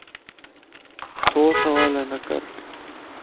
سو سوالَ نه ڪر